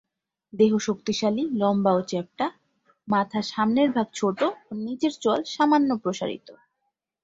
দেহ শক্তিশালী, লম্বা ও চ্যাপ্টা, মাথার সামনের ভাগ ছোট ও নিচের চোয়াল সামান্য প্রসারিত।